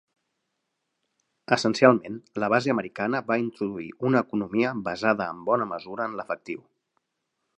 Essencialment, la base americana va introduir una economia basada en bona mesura en l'efectiu.